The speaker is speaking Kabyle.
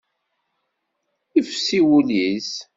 Yefsi wul-is.